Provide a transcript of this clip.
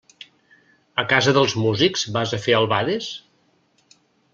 A casa dels músics vas a fer albades?